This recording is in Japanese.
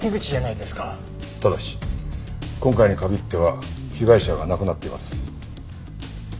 ただし今回に限っては被害者が亡くなっています。